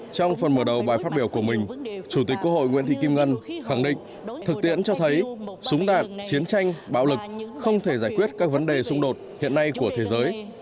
trong phần mở đầu bài phát biểu của mình chủ tịch quốc hội nguyễn thị kim ngân khẳng định thực tiễn cho thấy súng đạn chiến tranh bạo lực không thể giải quyết các vấn đề xung đột hiện nay của thế giới